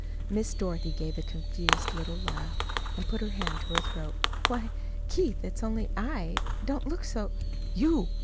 Miss Dorothy gave a confused little laugh, and put her hand to her throat. "Why, Keith, it's only I! Don't look so " "You?"